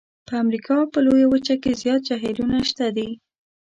په امریکا په لویه وچه کې زیات جهیلونه شته دي.